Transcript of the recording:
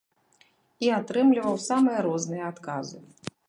І атрымліваў самыя розныя адказы.